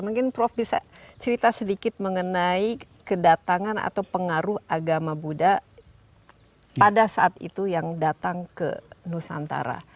mungkin prof bisa cerita sedikit mengenai kedatangan atau pengaruh agama buddha pada saat itu yang datang ke nusantara